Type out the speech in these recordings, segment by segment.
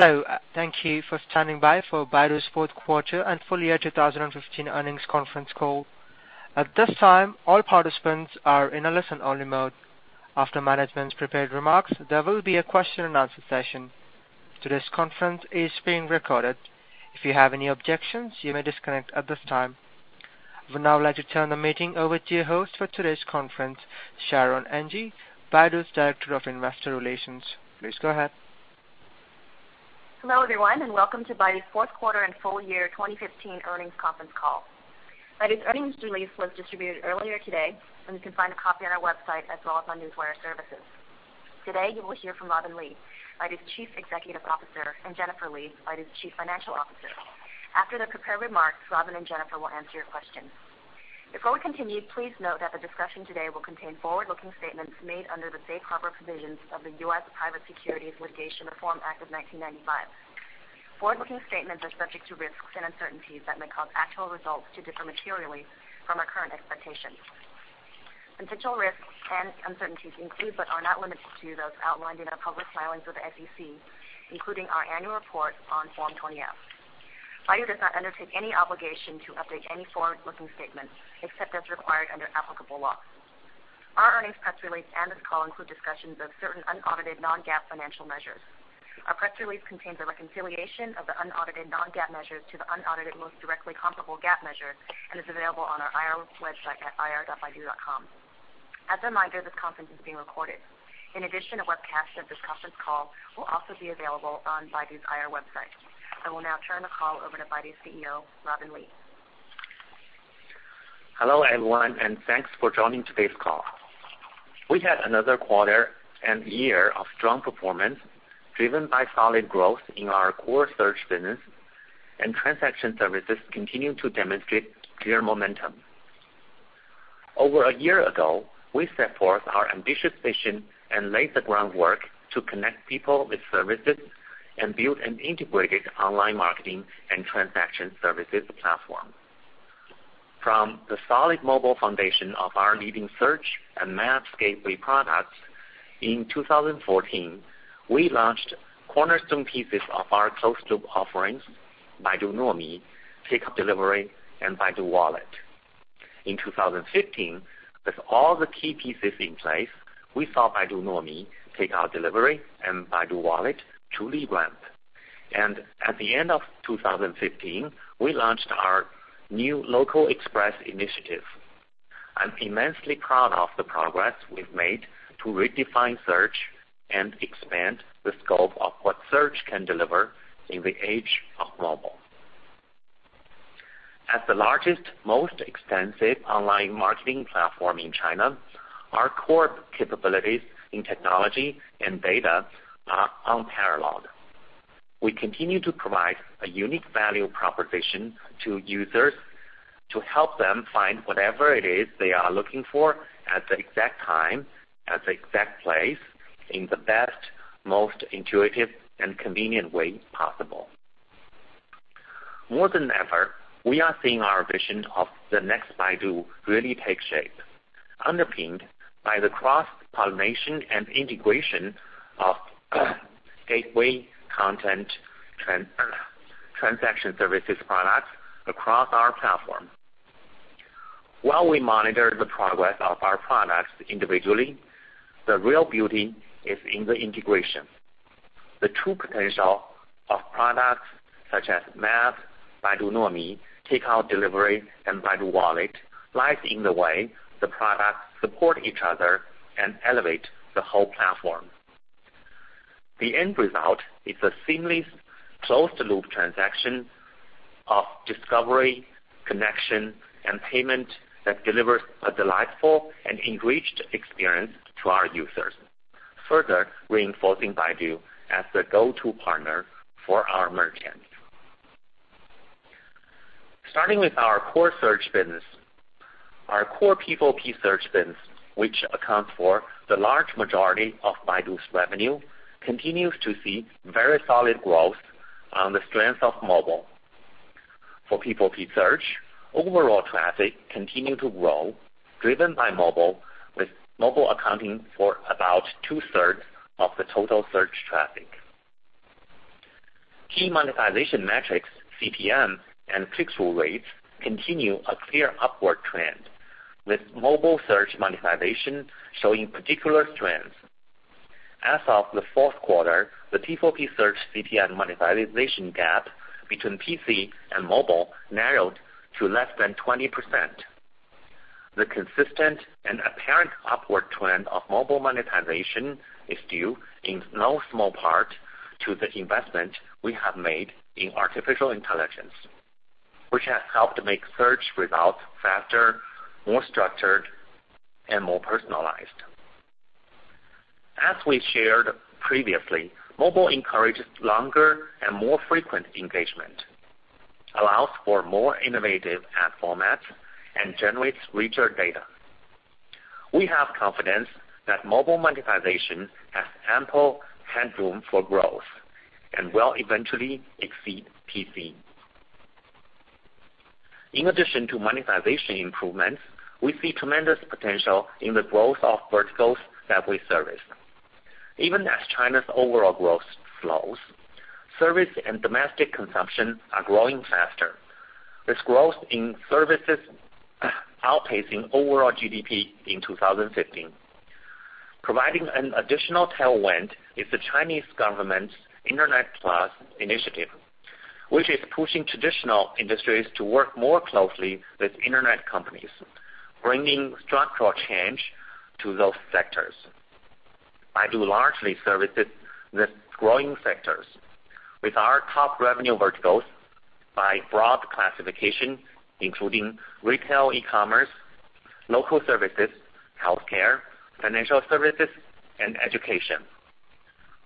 Hello. Thank you for standing by for Baidu's fourth quarter and full year 2015 earnings conference call. At this time, all participants are in a listen-only mode. After management's prepared remarks, there will be a question and answer session. Today's conference is being recorded. If you have any objections, you may disconnect at this time. I would now like to turn the meeting over to your host for today's conference, Sharon Heng, Baidu's Director of Investor Relations. Please go ahead. Hello everyone, welcome to Baidu's fourth quarter and full year 2015 earnings conference call. Baidu's earnings release was distributed earlier today, you can find a copy on our website as well as on Newswire services. Today you will hear from Robin Li, Baidu's Chief Executive Officer, and Jennifer Li, Baidu's Chief Financial Officer. After their prepared remarks, Robin and Jennifer will answer your questions. Before we continue, please note that the discussion today will contain forward-looking statements made under the safe harbor provisions of the U.S. Private Securities Litigation Reform Act of 1995. Forward-looking statements are subject to risks and uncertainties that may cause actual results to differ materially from our current expectations. Potential risks and uncertainties include but are not limited to those outlined in our public filings with the SEC, including our annual report on Form 20-F. Baidu does not undertake any obligation to update any forward-looking statements, except as required under applicable law. Our earnings press release and this call include discussions of certain unaudited non-GAAP financial measures. Our press release contains a reconciliation of the unaudited non-GAAP measures to the unaudited most directly comparable GAAP measure and is available on our IR website at ir.baidu.com. As a reminder, this conference is being recorded. A webcast of this conference call will also be available on Baidu's IR website. I will now turn the call over to Baidu's CEO, Robin Li. Hello everyone, thanks for joining today's call. We had another quarter and year of strong performance, driven by solid growth in our core search business, transaction services continue to demonstrate clear momentum. Over a year ago, we set forth our ambitious vision and laid the groundwork to connect people with services and build an integrated online marketing and transaction services platform. From the solid mobile foundation of our leading search and Maps gateway products in 2014, we launched cornerstone pieces of our closed loop offerings, Baidu Nuomi, Takeout Delivery, and Baidu Wallet. In 2015, with all the key pieces in place, we saw Baidu Nuomi, Takeout Delivery, and Baidu Wallet truly blend. At the end of 2015, we launched our new Local Express initiative. I'm immensely proud of the progress we've made to redefine search and expand the scope of what search can deliver in the age of mobile. As the largest, most extensive online marketing platform in China, our core capabilities in technology and data are unparalleled. We continue to provide a unique value proposition to users to help them find whatever it is they are looking for at the exact time, at the exact place, in the best, most intuitive and convenient way possible. More than ever, we are seeing our vision of the next Baidu really take shape, underpinned by the cross-pollination and integration of gateway content transaction services products across our platform. While we monitor the progress of our products individually, the real beauty is in the integration. The true potential of products such as Baidu Maps, Baidu Nuomi, Takeout Delivery, and Baidu Wallet lies in the way the products support each other and elevate the whole platform. The end result is a seamless, closed-loop transaction of discovery, connection, and payment that delivers a delightful and enriched experience to our users, further reinforcing Baidu as the go-to partner for our merchants. Starting with our core search business, our core P4P search business, which accounts for the large majority of Baidu's revenue, continues to see very solid growth on the strength of mobile. For P4P search, overall traffic continued to grow, driven by mobile, with mobile accounting for about two-thirds of the total search traffic. Key monetization metrics, CPM and click-through rates, continue a clear upward trend, with mobile search monetization showing particular strength. As of the fourth quarter, the P4P search CPM monetization gap between PC and mobile narrowed to less than 20%. The consistent and apparent upward trend of mobile monetization is due in no small part to the investment we have made in artificial intelligence, which has helped make search results faster, more structured, and more personalized. As we shared previously, mobile encourages longer and more frequent engagement, allows for more innovative ad formats, and generates richer data. We have confidence that mobile monetization has ample headroom for growth and will eventually exceed PC. In addition to monetization improvements, we see tremendous potential in the growth of verticals that we service. Even as China's overall growth slows, service and domestic consumption are growing faster, with growth in services outpacing overall GDP in 2015. Providing an additional tailwind is the Chinese government's Internet Plus initiative, which is pushing traditional industries to work more closely with internet companies, bringing structural change to those sectors. Baidu largely services these growing sectors, with our top revenue verticals by broad classification including retail e-commerce, local services, healthcare, financial services, and education.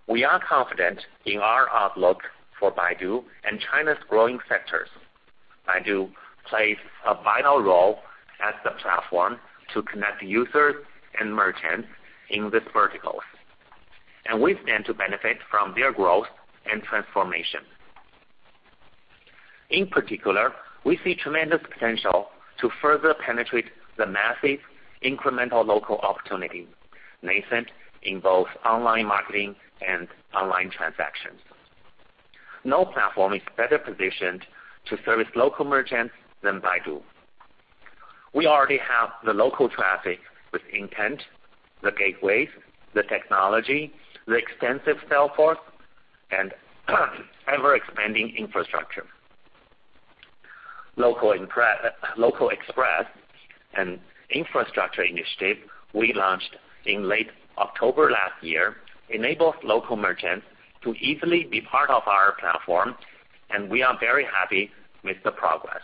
We are confident in our outlook for Baidu and China's growing sectors. Baidu plays a vital role as the platform to connect users and merchants in these verticals, and we stand to benefit from their growth and transformation. In particular, we see tremendous potential to further penetrate the massive incremental local opportunity nascent in both online marketing and online transactions. No platform is better positioned to service local merchants than Baidu. We already have the local traffic with intent, the gateways, the technology, the extensive sales force, and ever-expanding infrastructure. Local Express, an infrastructure initiative we launched in late October last year, enables local merchants to easily be part of our platform, and we are very happy with the progress.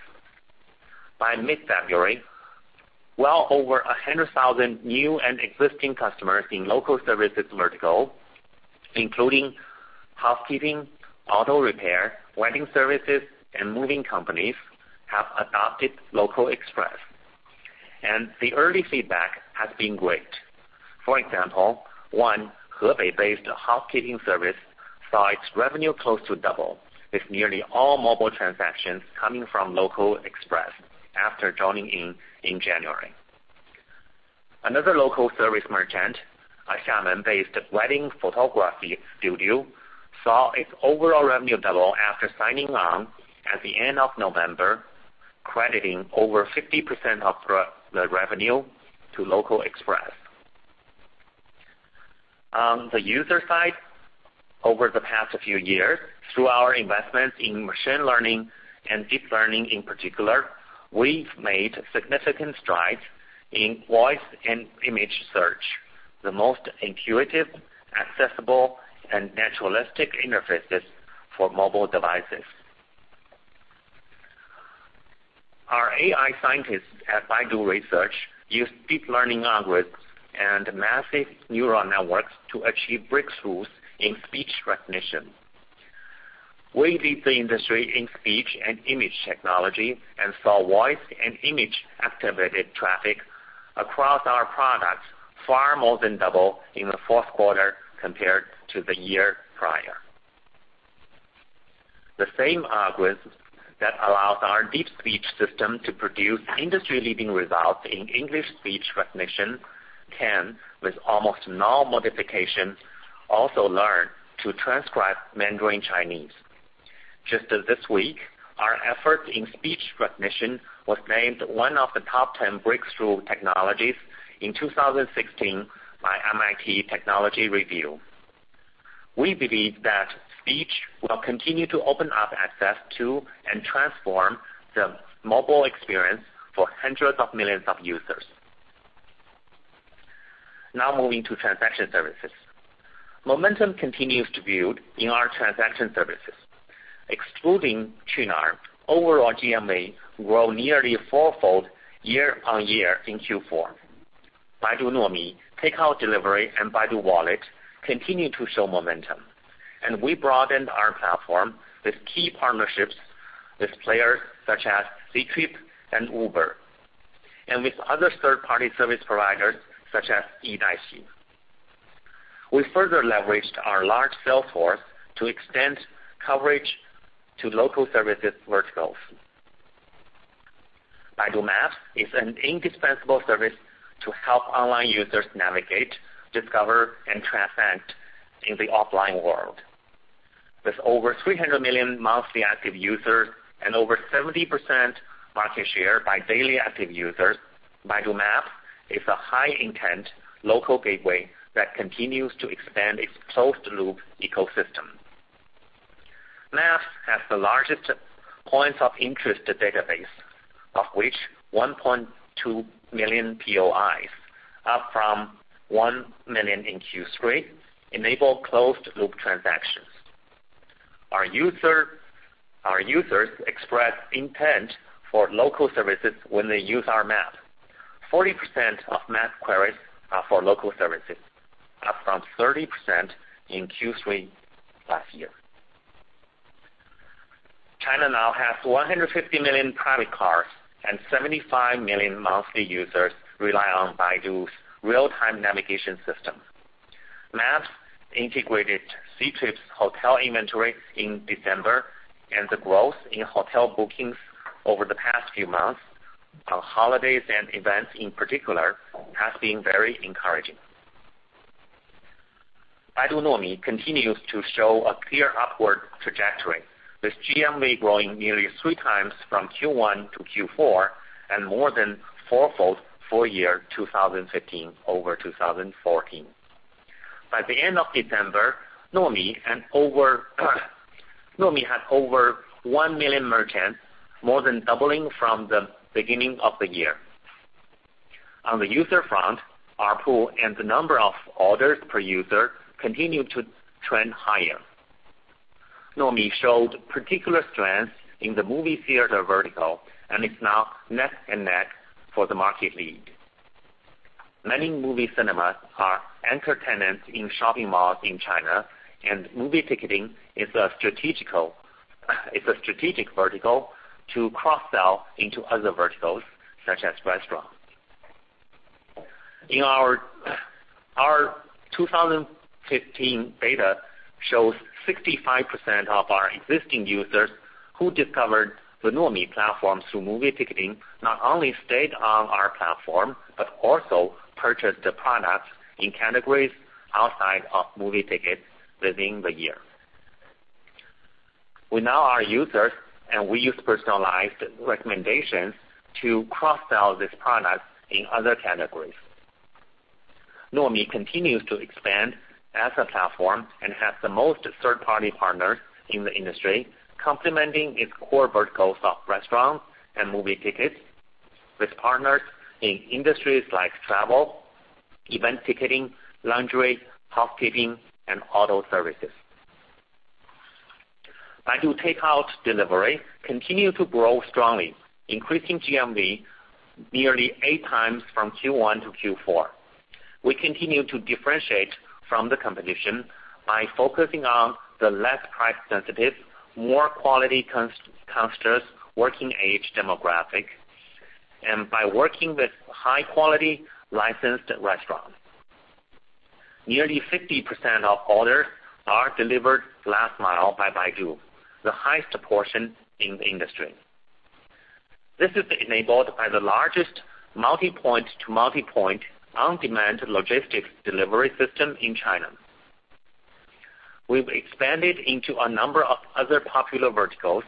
By mid-February, well over 100,000 new and existing customers in local services vertical, including housekeeping, auto repair, wedding services, and moving companies, have adopted Local Express, and the early feedback has been great. For example, one Hebei-based housekeeping service saw its revenue close to double, with nearly all mobile transactions coming from Local Express after joining in January. Another local service merchant, a Xiamen-based wedding photography studio, saw its overall revenue double after signing on at the end of November, crediting over 50% of the revenue to Local Express. On the user side, over the past few years, through our investments in machine learning and deep learning in particular, we've made significant strides in voice and image search, the most intuitive, accessible, and naturalistic interfaces for mobile devices. Our AI scientists at Baidu Research use deep learning algorithms and massive neural networks to achieve breakthroughs in speech recognition. We lead the industry in speech and image technology and saw voice and image-activated traffic across our products far more than double in the fourth quarter compared to the year prior. The same algorithms that allows our Deep Speech system to produce industry-leading results in English speech recognition can, with almost no modifications, also learn to transcribe Mandarin Chinese. Just this week, our efforts in speech recognition was named one of the top ten breakthrough technologies in 2016 by "MIT Technology Review." We believe that speech will continue to open up access to and transform the mobile experience for hundreds of millions of users. Now moving to transaction services. Momentum continues to build in our transaction services. Excluding Qunar, overall GMV grew nearly fourfold year-on-year in Q4. Baidu Nuomi, Takeout Delivery, and Baidu Wallet continue to show momentum, and we broadened our platform with key partnerships with players such as Ctrip and Uber, and with other third-party service providers such as eDaijia. We further leveraged our large sales force to extend coverage to local services verticals. Baidu Maps is an indispensable service to help online users navigate, discover, and transact in the offline world. With over 300 million monthly active users and over 70% market share by daily active users, Baidu Maps is a high-intent local gateway that continues to expand its closed-loop ecosystem. Maps has the largest points of interest database, of which 1.2 million POIs, up from 1 million in Q3, enable closed-loop transactions. Our users express intent for local services when they use our map. 40% of Map queries are for local services, up from 30% in Q3 last year. China now has 150 million private cars and 75 million monthly users rely on Baidu's real-time navigation system. Maps integrated Ctrip's hotel inventory in December, and the growth in hotel bookings over the past few months on holidays and events, in particular, has been very encouraging. Baidu Nuomi continues to show a clear upward trajectory, with GMV growing nearly three times from Q1 to Q4 and more than fourfold full year 2015 over 2014. By the end of December, Nuomi had over 1 million merchants, more than doubling from the beginning of the year. On the user front, ARPU and the number of orders per user continued to trend higher. Nuomi showed particular strength in the movie theater vertical and is now neck and neck for the market lead. Many movie cinemas are anchor tenants in shopping malls in China, and movie ticketing is a strategic vertical to cross-sell into other verticals such as restaurants. Our 2015 data shows 65% of our existing users who discovered the Nuomi platform through movie ticketing not only stayed on our platform but also purchased the products in categories outside of movie tickets within the year. We know our users, we use personalized recommendations to cross-sell these products in other categories. Nuomi continues to expand as a platform and has the most third-party partners in the industry, complementing its core verticals of restaurants and movie tickets with partners in industries like travel, event ticketing, laundry, housekeeping, and auto services. Baidu Takeout Delivery continue to grow strongly, increasing GMV nearly eight times from Q1 to Q4. We continue to differentiate from the competition by focusing on the less price-sensitive, more quality-conscious working age demographic and by working with high-quality licensed restaurants. Nearly 50% of orders are delivered last mile by Baidu, the highest portion in the industry. This is enabled by the largest multi-point-to-multi-point on-demand logistics delivery system in China. We've expanded into a number of other popular verticals,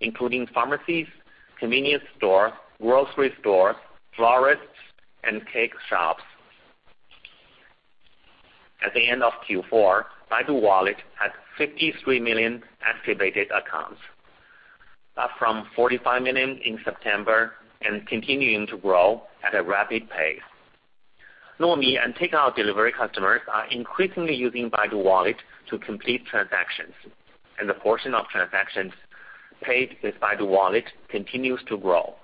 including pharmacies, convenience stores, grocery stores, florists, and cake shops. At the end of Q4, Baidu Wallet had 53 million activated accounts, up from 45 million in September and continuing to grow at a rapid pace. Nuomi and Takeout Delivery customers are increasingly using Baidu Wallet to complete transactions, and the portion of transactions paid with Baidu Wallet continues to grow.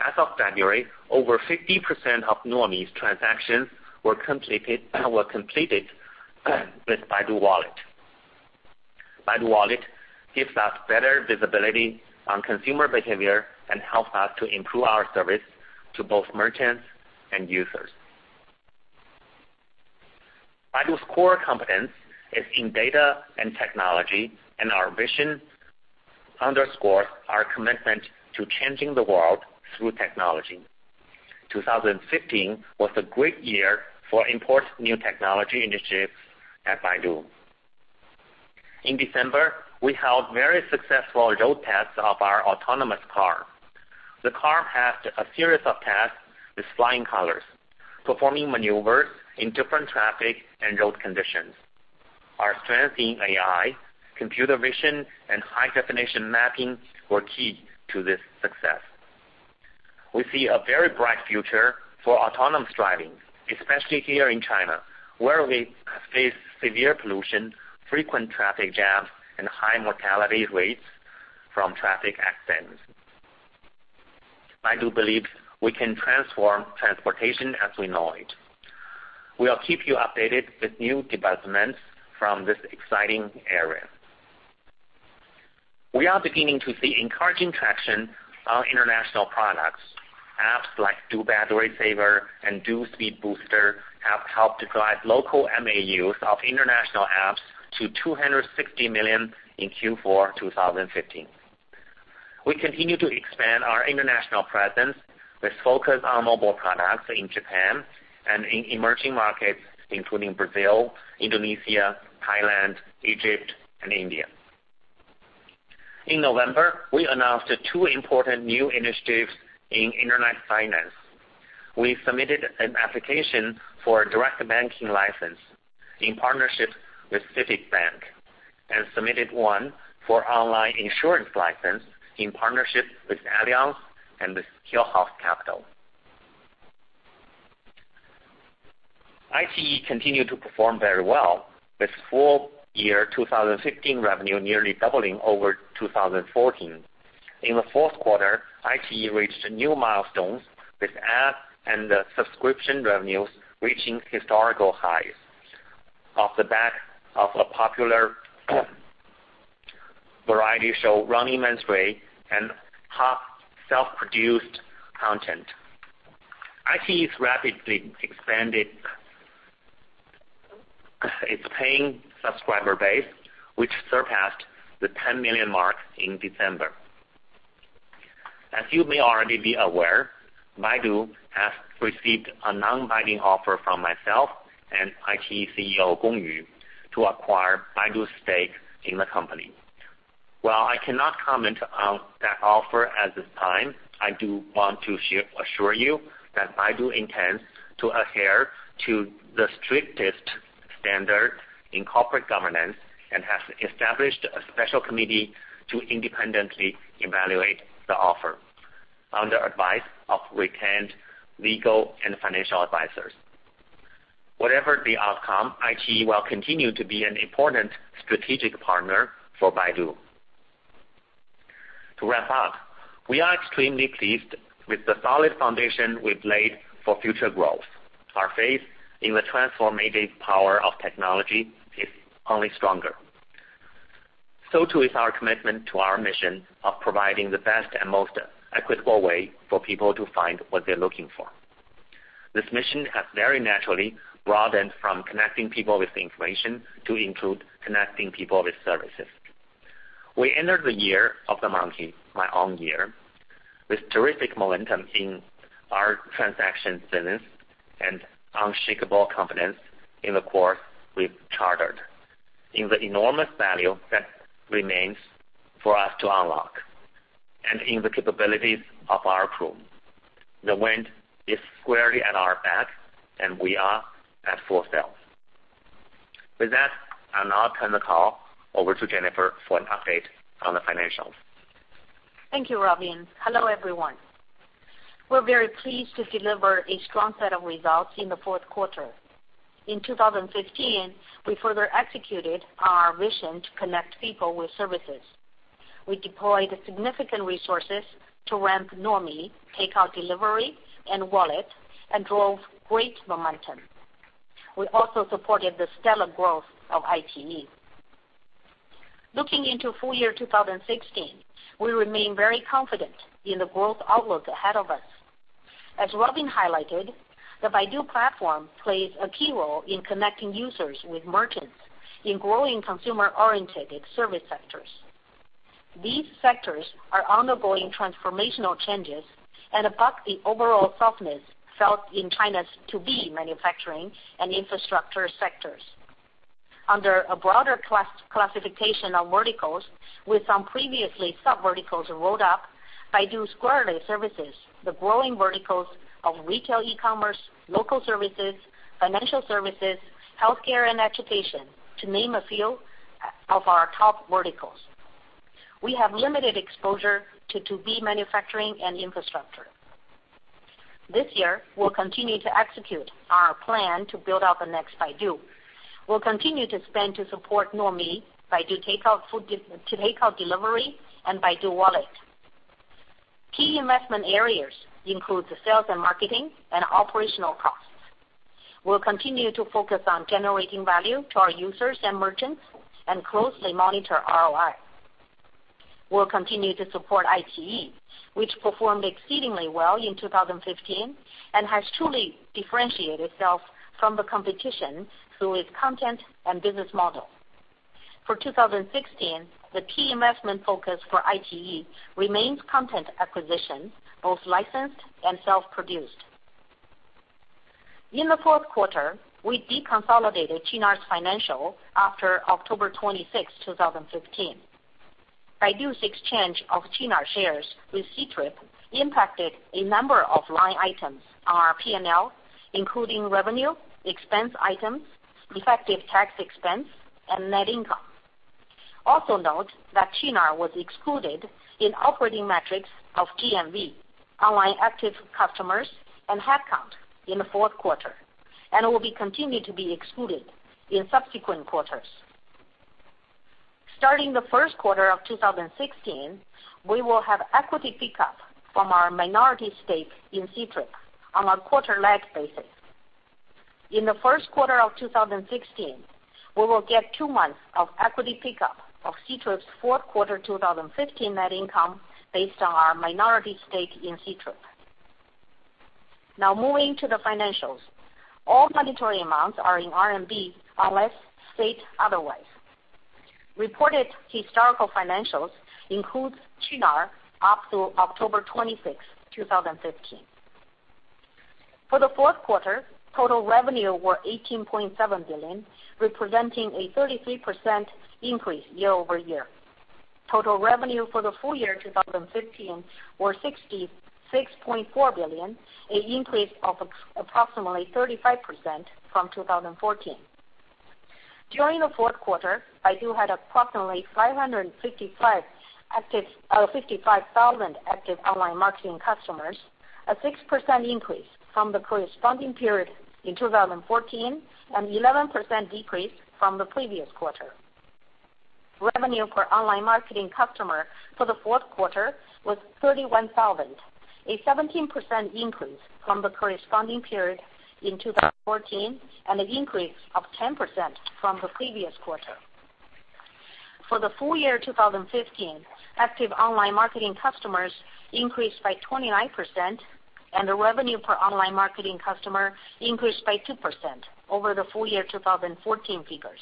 As of February, over 50% of Nuomi's transactions were completed with Baidu Wallet. Baidu Wallet gives us better visibility on consumer behavior and helps us to improve our service to both merchants and users. Baidu's core competence is in data and technology, and our vision underscores our commitment to changing the world through technology. 2015 was a great year for important new technology initiatives at Baidu. In December, we held very successful road tests of our autonomous car. The car passed a series of tests with flying colors, performing maneuvers in different traffic and road conditions. Our strength in AI, computer vision, and high-definition mapping were key to this success. We see a very bright future for autonomous driving, especially here in China, where we face severe pollution, frequent traffic jams, and high mortality rates from traffic accidents. Baidu believes we can transform transportation as we know it. We'll keep you updated with new developments from this exciting area. We are beginning to see encouraging traction on international products. Apps like DU Battery Saver and DU Speed Booster have helped drive local MAUs of international apps to 260 million in Q4 2015. We continue to expand our international presence with focus on mobile products in Japan and in emerging markets, including Brazil, Indonesia, Thailand, Egypt, and India. In November, we announced two important new initiatives in internet finance. We submitted an application for a direct banking license in partnership with CITIC Bank and submitted one for online insurance license in partnership with Allianz and with Hillhouse Capital. iQIYI continued to perform very well with full year 2015 revenue nearly doubling over 2014. In the fourth quarter, iQIYI reached new milestones with ad and subscription revenues reaching historical highs off the back of a popular variety show, "Running Man's Way," and top self-produced content. iQIYI's rapidly expanded its paying subscriber base, which surpassed the 10 million mark in December. As you may already be aware, Baidu has received a non-binding offer from myself and iQIYI's CEO, Gong Yu, to acquire Baidu's stake in the company. While I cannot comment on that offer at this time, I do want to assure you that Baidu intends to adhere to the strictest standard in corporate governance and has established a special committee to independently evaluate the offer under advice of retained legal and financial advisors. Whatever the outcome, iQIYI will continue to be an important strategic partner for Baidu. To wrap up, we are extremely pleased with the solid foundation we've laid for future growth. Our faith in the transformative power of technology is only stronger. Too is our commitment to our mission of providing the best and most equitable way for people to find what they're looking for. This mission has very naturally broadened from connecting people with information to include connecting people with services. We entered the Year of the Monkey, my own year, with terrific momentum in our transaction business and unshakable confidence in the course we've chartered, in the enormous value that remains for us to unlock, and in the capabilities of our crew. The wind is squarely at our back, and we are at full sail. With that, I'll now turn the call over to Jennifer for an update on the financials. Thank you, Robin. Hello, everyone. We're very pleased to deliver a strong set of results in the fourth quarter. In 2015, we further executed our vision to connect people with services. We deployed significant resources to ramp Nuomi, Takeout Delivery and Wallet, and drove great momentum. We also supported the stellar growth of iQIYI. Looking into full year 2016, we remain very confident in the growth outlook ahead of us. As Robin highlighted, the Baidu platform plays a key role in connecting users with merchants in growing consumer-orientated service sectors. These sectors are undergoing transformational changes and above the overall softness felt in China's to-B manufacturing and infrastructure sectors. Under a broader classification of verticals with some previously sub-verticals rolled up, Baidu squarely services the growing verticals of retail e-commerce, local services, financial services, healthcare, and education, to name a few of our top verticals. We have limited exposure to to-B manufacturing and infrastructure. This year, we'll continue to execute our plan to build out the next Baidu. We'll continue to spend to support Nuomi, Baidu Takeout Delivery, and Baidu Wallet. Key investment areas include the sales and marketing and operational costs. We'll continue to focus on generating value to our users and merchants and closely monitor ROI. We'll continue to support iQIYI, which performed exceedingly well in 2015 and has truly differentiated itself from the competition through its content and business model. For 2016, the key investment focus for iQIYI remains content acquisition, both licensed and self-produced. In the fourth quarter, we deconsolidated Qunar's financial after October 26th, 2015. Baidu's exchange of Qunar shares with Ctrip impacted a number of line items on our P&L, including revenue, expense items, effective tax expense, and net income. Also note that Qunar was excluded in operating metrics of GMV, online active customers, and headcount in the fourth quarter and will be continued to be excluded in subsequent quarters. Starting the first quarter of 2016, we will have equity pick-up from our minority stake in Ctrip on a quarter-lag basis. In the first quarter of 2016, we will get two months of equity pick-up of Ctrip's fourth quarter 2015 net income based on our minority stake in Ctrip. Now moving to the financials. All monetary amounts are in RMB unless stated otherwise. Reported historical financials includes Qunar up to October 26th, 2015. For the fourth quarter, total revenue were RMB 18.7 billion, representing a 33% increase year-over-year. Total revenue for the full year 2015 were 66.4 billion, an increase of approximately 35% from 2014. During the fourth quarter, Baidu had approximately 555,000 active online marketing customers, a 6% increase from the corresponding period in 2014, and 11% decrease from the previous quarter. Revenue per online marketing customer for the fourth quarter was 31,000. A 17% increase from the corresponding period in 2014, and an increase of 10% from the previous quarter. For the full year 2015, active online marketing customers increased by 29%, and the revenue per online marketing customer increased by 2% over the full year 2014 figures.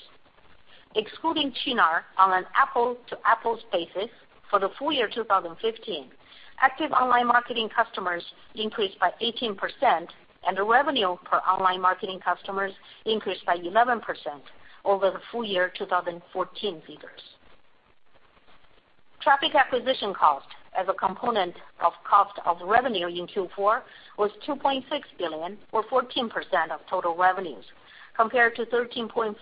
Excluding Qunar on an apples-to-apples basis for the full year 2015, active online marketing customers increased by 18%, and the revenue per online marketing customers increased by 11% over the full year 2014 figures. Traffic acquisition cost as a component of cost of revenue in Q4 was 2.6 billion, or 14% of total revenues, compared to 13.4%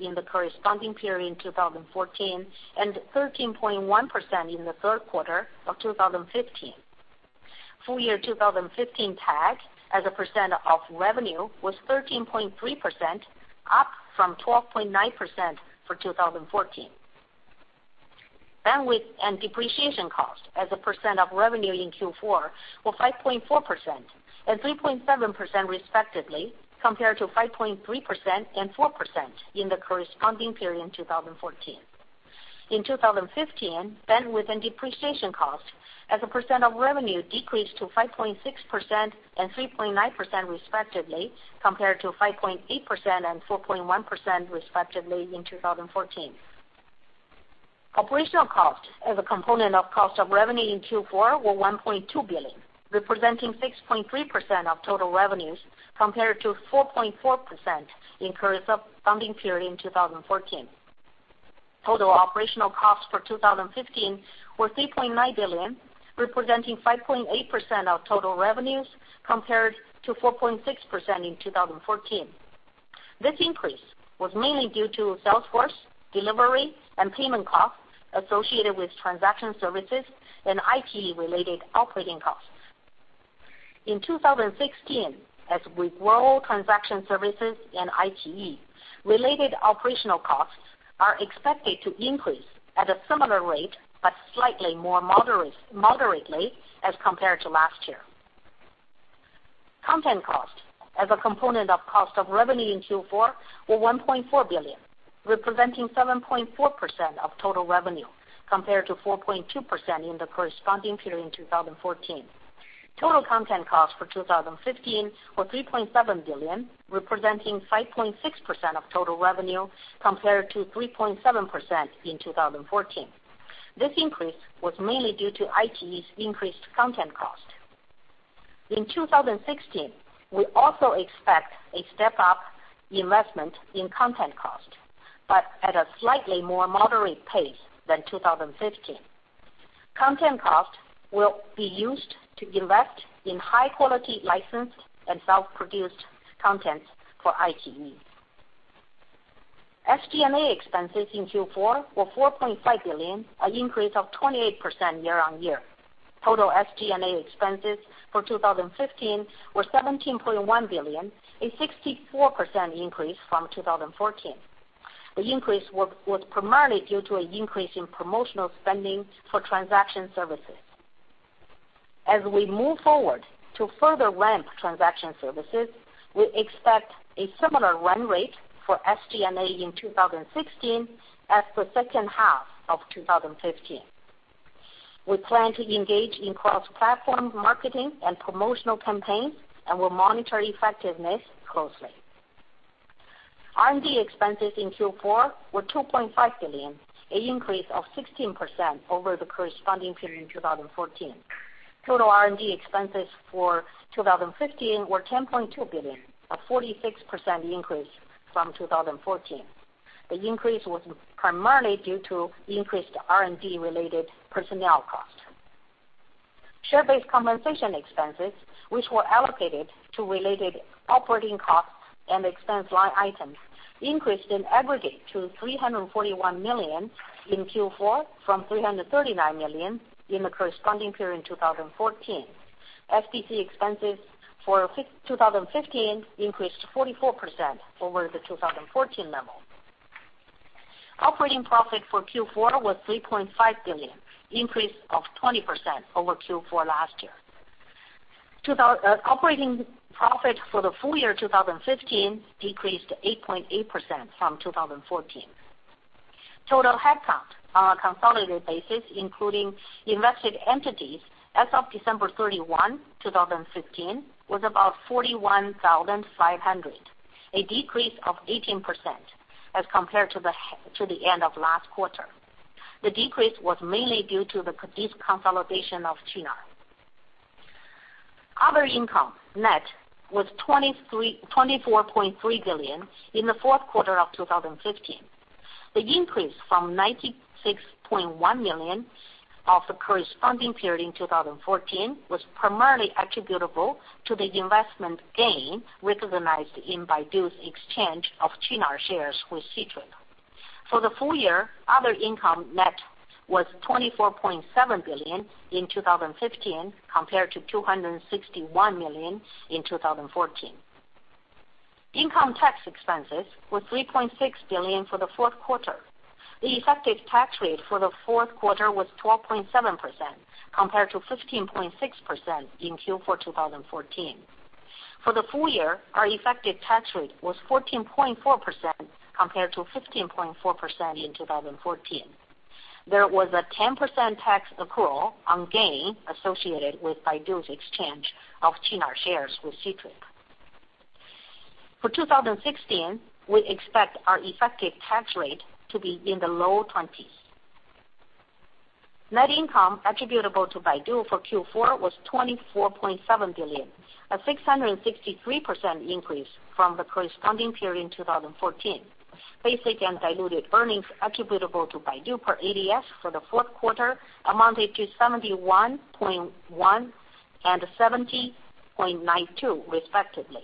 in the corresponding period in 2014 and 13.1% in the third quarter of 2015. Full year 2015 TAC as a percent of revenue was 13.3%, up from 12.9% for 2014. Bandwidth and depreciation costs as a percent of revenue in Q4 were 5.4% and 3.7% respectively, compared to 5.3% and 4% in the corresponding period in 2014. In 2015, bandwidth and depreciation costs as a percent of revenue decreased to 5.6% and 3.9% respectively, compared to 5.8% and 4.1% respectively in 2014. Operational costs as a component of cost of revenue in Q4 were 1.2 billion, representing 6.3% of total revenues, compared to 4.4% in corresponding period in 2014. Total operational costs for 2015 were 3.9 billion, representing 5.8% of total revenues, compared to 4.6% in 2014. This increase was mainly due to salesforce, delivery, and payment costs associated with transaction services and iQIYI-related operating costs. In 2016, as with whole transaction services and iQIYI, related operational costs are expected to increase at a similar rate, but slightly more moderately as compared to last year. Content costs as a component of cost of revenue in Q4 were 1.4 billion, representing 7.4% of total revenue, compared to 4.2% in the corresponding period in 2014. Total content costs for 2015 were 3.7 billion, representing 5.6% of total revenue, compared to 3.7% in 2014. This increase was mainly due to iQIYI's increased content cost. In 2016, we also expect a step-up investment in content cost, but at a slightly more moderate pace than 2015. Content cost will be used to invest in high-quality licensed and self-produced content for iQIYI. SG&A expenses in Q4 were 4.5 billion, an increase of 28% year-on-year. Total SG&A expenses for 2015 were 17.1 billion, a 64% increase from 2014. The increase was primarily due to an increase in promotional spending for transaction services. As we move forward to further ramp transaction services, we expect a similar run rate for SG&A in 2016 as the second half of 2015. We plan to engage in cross-platform marketing and promotional campaigns and will monitor effectiveness closely. R&D expenses in Q4 were 2.5 billion, an increase of 16% over the corresponding period in 2014. Total R&D expenses for 2015 were 10.2 billion, a 46% increase from 2014. The increase was primarily due to increased R&D-related personnel costs. Share-based compensation expenses, which were allocated to related operating costs and expense line items, increased in aggregate to 341 million in Q4 from 339 million in the corresponding period in 2014. SBC expenses for 2015 increased 44% over the 2014 level. Operating profit for Q4 was 3.5 billion, increase of 20% over Q4 last year. Operating profit for the full year 2015 decreased 8.8% from 2014. Total headcount on a consolidated basis, including invested entities, as of December 31, 2015, was about 41,500, a decrease of 18% as compared to the end of last quarter. The decrease was mainly due to the deconsolidation of Qunar. Other income net was 24.3 billion in the fourth quarter of 2015. The increase from 96.1 million of the corresponding period in 2014 was primarily attributable to the investment gain recognized in Baidu's exchange of Qunar shares with Ctrip. For the full year, other income net was 24.7 billion in 2015, compared to 261 million in 2014. Income tax expenses were 3.6 billion for the fourth quarter. The effective tax rate for the fourth quarter was 12.7%, compared to 15.6% in Q4 2014. For the full year, our effective tax rate was 14.4%, compared to 15.4% in 2014. There was a 10% tax accrual on gain associated with Baidu's exchange of Qunar shares with Ctrip. For 2016, we expect our effective tax rate to be in the low 20s. Net income attributable to Baidu for Q4 was 24.7 billion, a 663% increase from the corresponding period in 2014. Basic and diluted earnings attributable to Baidu per ADS for the fourth quarter amounted to $71.1 and $70.92 respectively.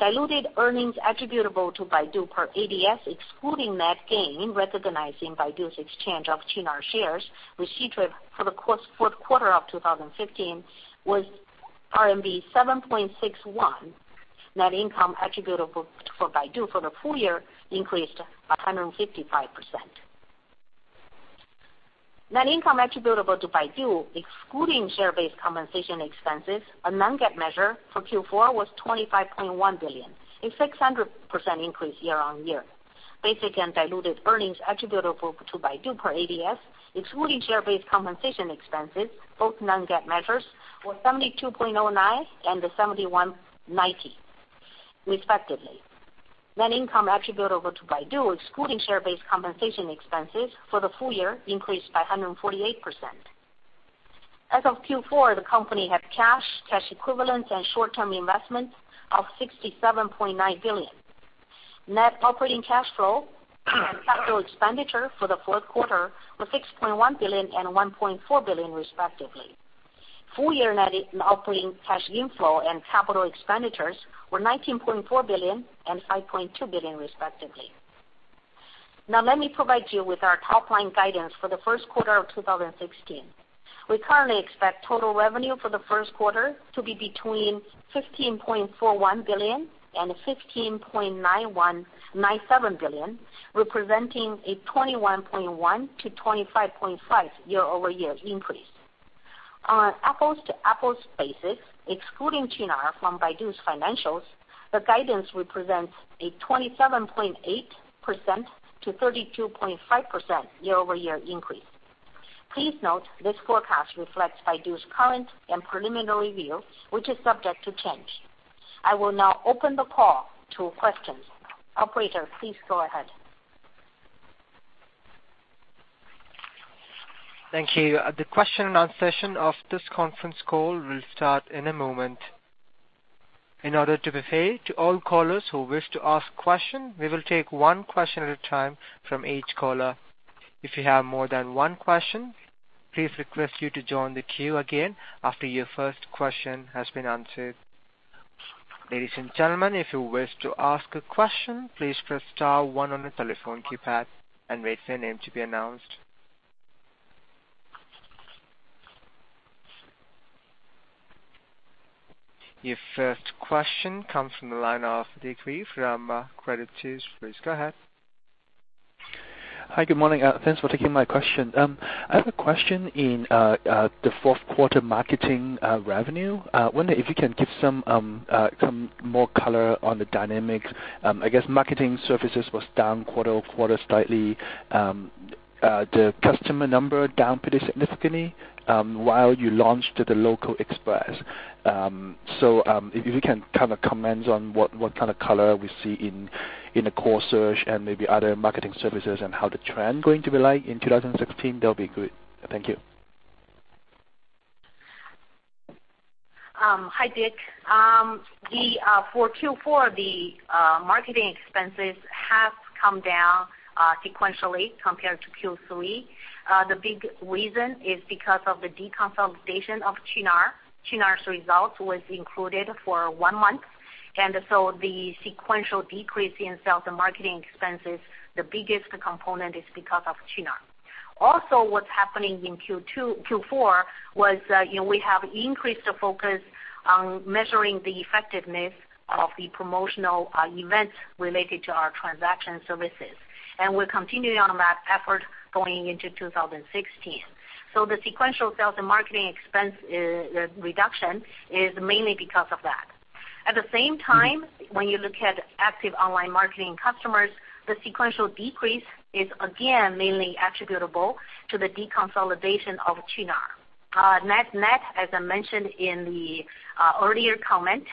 Diluted earnings attributable to Baidu per ADS, excluding net gain, recognizing Baidu's exchange of Qunar shares with Ctrip for the fourth quarter of 2015, was RMB 7.61. Net income attributable for Baidu for the full year increased by 155%. Net income attributable to Baidu, excluding share-based compensation expenses, a non-GAAP measure, for Q4 was 25.1 billion, a 600% increase year-over-year. Basic and diluted earnings attributable to Baidu per ADS, excluding share-based compensation expenses, both non-GAAP measures, were $72.09 and $71.19 respectively. Net income attributable to Baidu, excluding share-based compensation expenses for the full year, increased by 148%. As of Q4, the company had cash equivalents, and short-term investments of 67.9 billion. Net operating cash flow and capital expenditure for the fourth quarter were 6.1 billion and 1.4 billion respectively. Full year net operating cash inflow and capital expenditures were 19.4 billion and 5.2 billion respectively. Let me provide you with our top-line guidance for the first quarter of 2016. We currently expect total revenue for the first quarter to be between 15.41 billion and 15.97 billion, representing a 21.1%-25.5% year-over-year increase. On an apples to apples basis, excluding Qunar from Baidu's financials, the guidance represents a 27.8%-32.5% year-over-year increase. Please note this forecast reflects Baidu's current and preliminary view, which is subject to change. I will now open the call to questions. Operator, please go ahead. Thank you. The question and answer session of this conference call will start in a moment. In order to be fair to all callers who wish to ask questions, we will take one question at a time from each caller. If you have more than one question, please request you to join the queue again after your first question has been answered. Ladies and gentlemen, if you wish to ask a question, please press *1 on your telephone keypad and wait for your name to be announced. Your first question comes from the line of Dickie Lee from Credit Suisse. Please go ahead. Hi, good morning. Thanks for taking my question. I have a question in the fourth quarter marketing revenue. Wonder if you can give some more color on the dynamics. I guess marketing services was down quarter-over-quarter slightly. The customer number down pretty significantly while you launched the Local Express. If you can kind of comment on what kind of color we see in the core search and maybe other marketing services and how the trend going to be like in 2016, that'll be good. Thank you. Hi, Dick. For Q4, the marketing expenses have come down sequentially compared to Q3. The big reason is because of the deconsolidation of Qunar. Qunar's results was included for one month. So the sequential decrease in sales and marketing expenses, the biggest component is because of Qunar. Also, what's happening in Q4 was we have increased the focus on measuring the effectiveness of the promotional events related to our transaction services. We're continuing on that effort going into 2016. So the sequential sales and marketing expense reduction is mainly because of that. At the same time, when you look at active online marketing customers, the sequential decrease is again mainly attributable to the deconsolidation of Qunar. Net, as I mentioned in the earlier comment,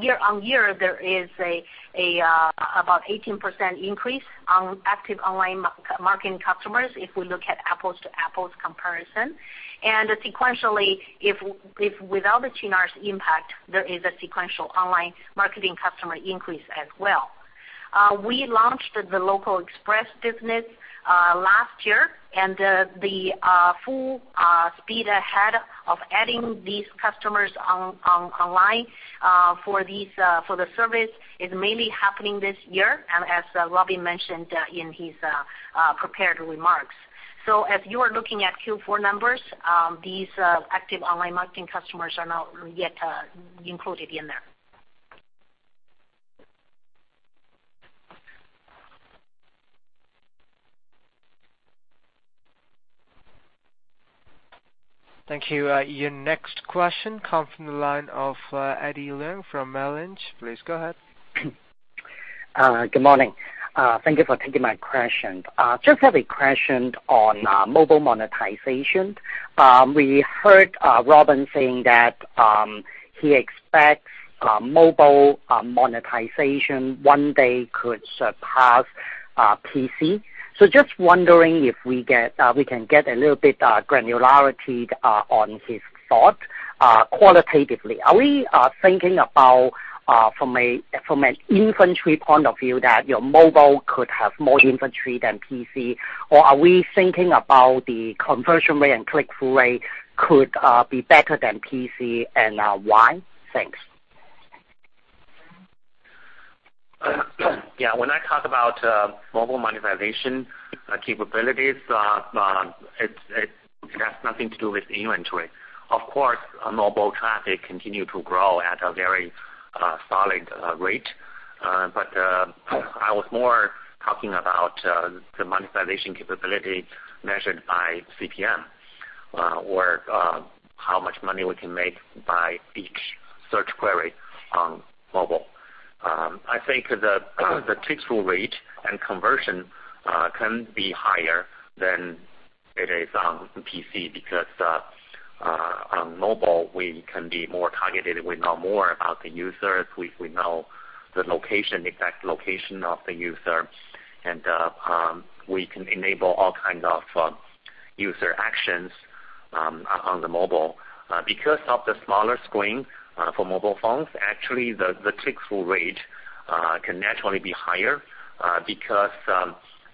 year-over-year, there is about 18% increase on active online marketing customers if we look at apples to apples comparison. Sequentially, without the Qunar's impact, there is a sequential online marketing customer increase as well. We launched the Local Express business last year, and the full speed ahead of adding these customers online for the service is mainly happening this year, and as Robin mentioned in his prepared remarks. As you are looking at Q4 numbers, these active online marketing customers are not yet included in there. Thank you. Your next question comes from the line of Eddie Leung from Merrill Lynch. Please go ahead. Good morning. Thank you for taking my question. Just have a question on mobile monetization. We heard Robin saying that he expects mobile monetization one day could surpass PC. Just wondering if we can get a little bit granularity on his thoughts qualitatively. Are we thinking about, from an inventory point of view, that your mobile could have more inventory than PC? Are we thinking about the conversion rate and click-through rate could be better than PC, and why? Thanks. Yeah. When I talk about mobile monetization capabilities, it has nothing to do with inventory. Of course, mobile traffic continue to grow at a very solid rate. I was more talking about the monetization capability measured by CPM, or how much money we can make by each search query on mobile. I think the click-through rate and conversion can be higher than it is on PC because, on mobile, we can be more targeted. We know more about the users. We know the exact location of the user, and we can enable all kinds of user actions on the mobile. Because of the smaller screen for mobile phones, actually, the click-through rate can naturally be higher because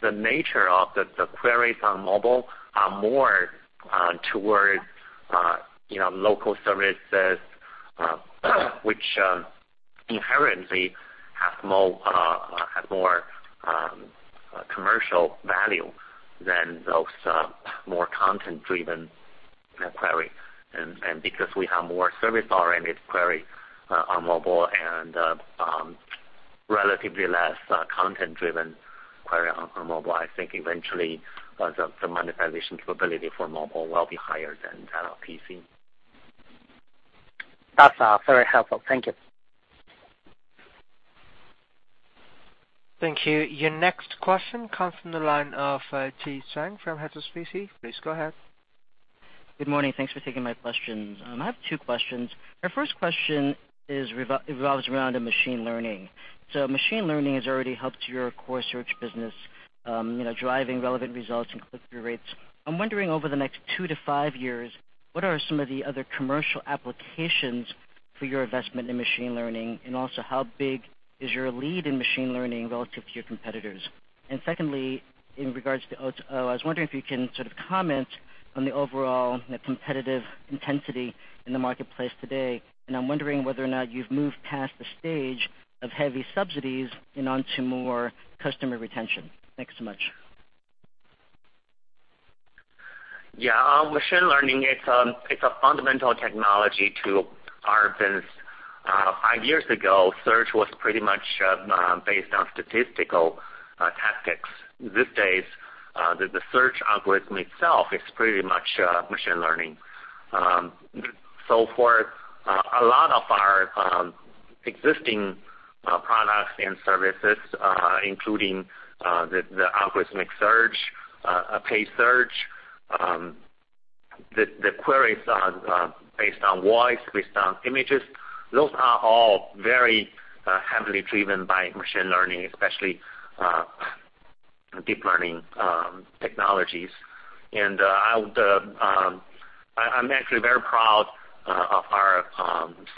the nature of the queries on mobile are more towards local services, which inherently have more commercial value than those more content-driven query. Because we have more service-oriented query on mobile and relatively less content-driven query on mobile, I think eventually, the monetization capability for mobile will be higher than PC. That's very helpful. Thank you. Thank you. Your next question comes from the line of Chi Tsang from HSBC. Please go ahead. Good morning. Thanks for taking my questions. I have two questions. My first question revolves around machine learning. Machine learning has already helped your core search business, driving relevant results and click-through rates. I'm wondering, over the next two to five years, what are some of the other commercial applications for your investment in machine learning? Also, how big is your lead in machine learning relative to your competitors? Secondly, in regards to O2O, I was wondering if you can sort of comment on the overall competitive intensity in the marketplace today. I'm wondering whether or not you've moved past the stage of heavy subsidies and onto more customer retention. Thanks so much. Machine learning, it's a fundamental technology to our business. Five years ago, search was pretty much based on statistical tactics. These days, the search algorithm itself is pretty much machine learning. For a lot of our existing products and services including the algorithmic search, paid search, the queries based on voice, based on images, those are all very heavily driven by machine learning, especially deep learning technologies. I'm actually very proud of our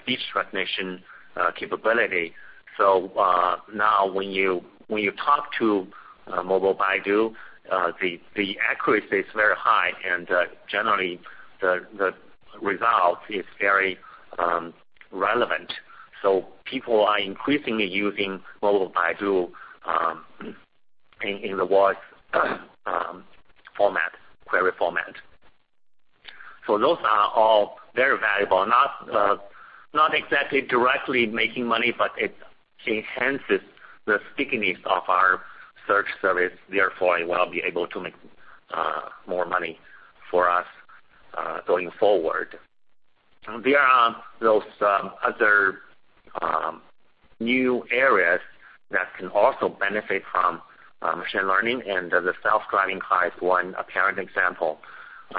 speech recognition capability. Now when you talk to Mobile Baidu, the accuracy is very high, and generally, the result is very relevant. People are increasingly using Mobile Baidu in the voice query format. Those are all very valuable. Not exactly directly making money, but it enhances the stickiness of our search service. Therefore, it will be able to make more money for us going forward. There are those other new areas that can also benefit from machine learning and the self-driving car is one apparent example.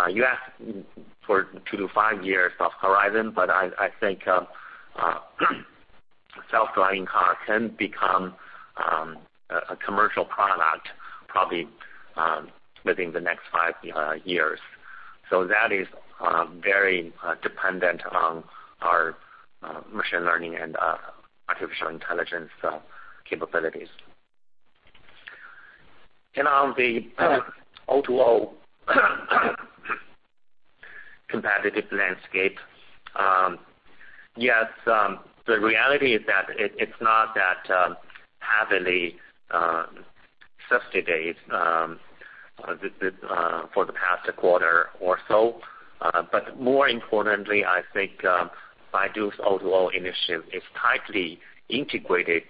You asked for two to five years of horizon, but I think self-driving car can become a commercial product probably within the next five years. That is very dependent on our machine learning and artificial intelligence capabilities. On the O2O competitive landscape. Yes, the reality is that it's not that heavily subsidized for the past quarter or so. More importantly, I think Baidu's O2O initiative is tightly integrated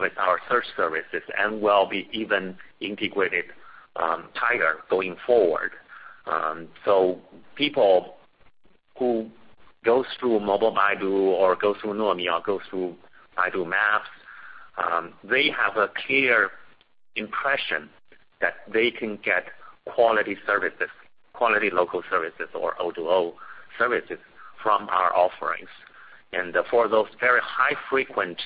with our search services and will be even integrated tighter going forward. People who goes through Mobile Baidu or goes through Nuomi or goes through Baidu Maps, they have a clear impression that they can get quality services, quality local services or O2O services from our offerings. For those very high frequent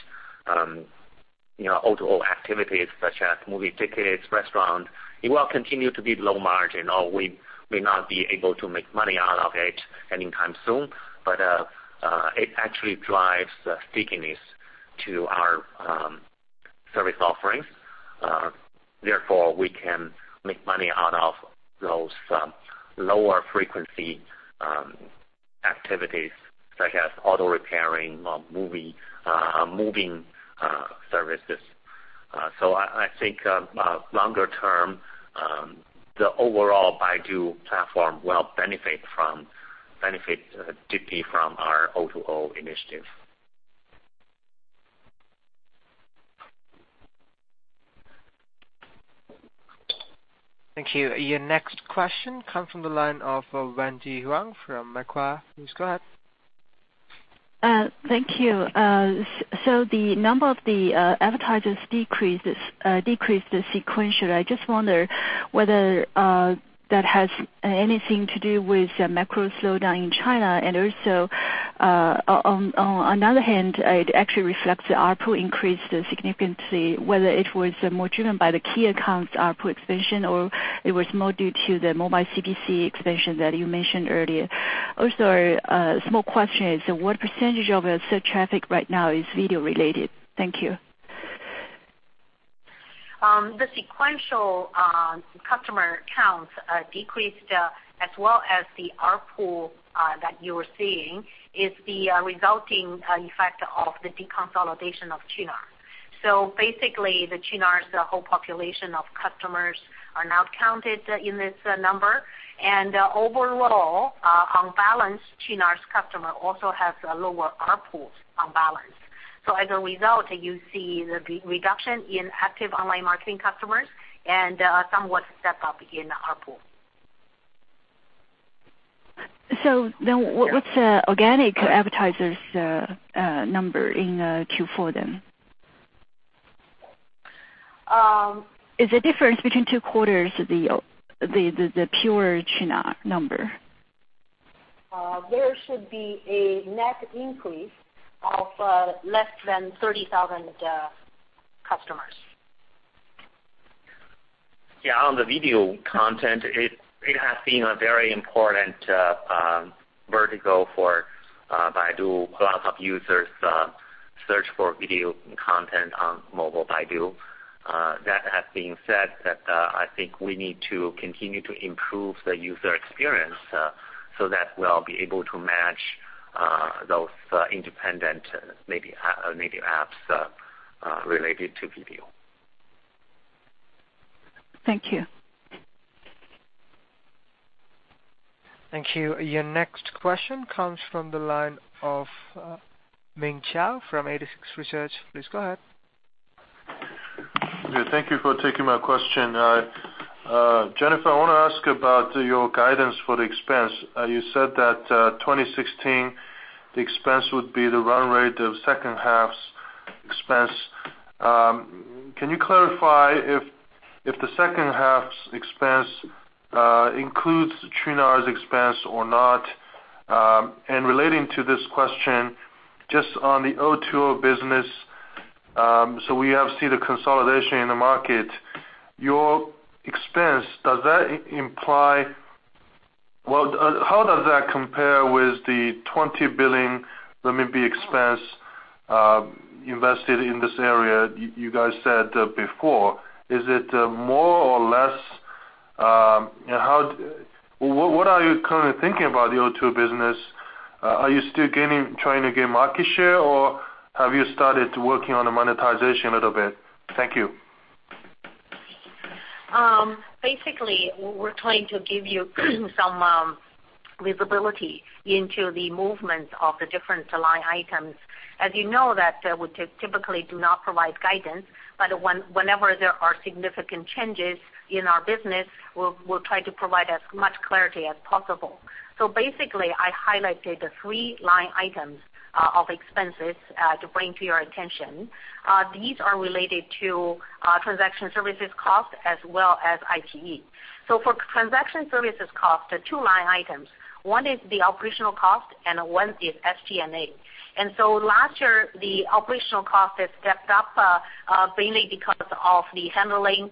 O2O activities such as movie tickets, restaurant, it will continue to be low margin or we may not be able to make money out of it anytime soon, but it actually drives stickiness to our service offerings. Therefore, we can make money out of those lower frequency activities such as auto repairing or moving services. I think longer term, the overall Baidu platform will benefit deeply from our O2O initiative. Thank you. Your next question comes from the line of Wendy Huang from Macquarie. Please go ahead. Thank you. The number of the advertisers decreased sequentially. I just wonder whether that has anything to do with the macro slowdown in China. On another hand, it actually reflects the ARPU increased significantly, whether it was more driven by the key accounts ARPU expansion, or it was more due to the mobile CPC expansion that you mentioned earlier. Also, a small question is, what % of search traffic right now is video related? Thank you. The sequential customer counts decreased as well as the ARPU that you're seeing is the resulting effect of the deconsolidation of Qunar. Basically, the Qunar's whole population of customers are now counted in this number. Overall, on balance, Qunar's customer also has a lower ARPU on balance. As a result, you see the reduction in active online marketing customers and somewhat step up in ARPU. What's organic advertisers number in Q4 then? Is the difference between two quarters the pure Qunar number? There should be a net increase of less than 30,000 customers. Yeah, on the video content, it has been a very important vertical for Baidu. A lot of users search for video content on Mobile Baidu. That has been said that I think we need to continue to improve the user experience so that we'll be able to match those independent native apps related to video. Thank you. Thank you. Your next question comes from the line of Ming Zhao from 86Research. Please go ahead. Thank you for taking my question. Jennifer, I want to ask about your guidance for the expense. You said that 2016, the expense would be the run rate of second half's expense. Can you clarify if the second half's expense includes Qunar's expense or not? Relating to this question, just on the O2O business, we have seen the consolidation in the market. Your expense, how does that compare with the 20 billion expense invested in this area you guys said before? Is it more or less? What are you currently thinking about the O2O business? Are you still trying to gain market share or have you started working on the monetization a little bit? Thank you. We're trying to give you some visibility into the movement of the different line items. As you know that we typically do not provide guidance, but whenever there are significant changes in our business, we'll try to provide as much clarity as possible. I highlighted the three line items of expenses to bring to your attention. These are related to transaction services cost as well as IT. For transaction services cost, there are two line items. One is the operational cost and one is SG&A. Last year, the operational cost has stepped up mainly because of the handling